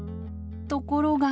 ところが。